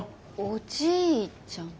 おじいちゃん？